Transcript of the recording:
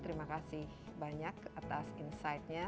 terima kasih banyak atas insight nya